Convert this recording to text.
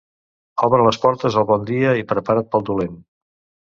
Obre les portes al bon dia i prepara't pel dolent.